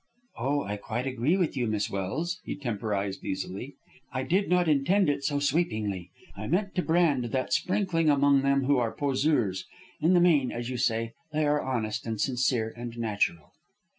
"Oh, I quite agree with you, Miss Welse," he temporized easily. "I did not intend it so sweepingly. I meant to brand that sprinkling among them who are poseurs. In the main, as you say, they are honest, and sincere, and natural."